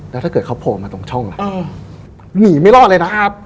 แล้วถ้าเกิดเขาโผล่มาตรงช่องล่ะหนีไม่รอดเลยนะครับ